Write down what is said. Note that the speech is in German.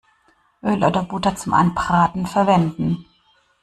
Öl oder Butter zum Anbraten verwenden.